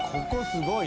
・すごい。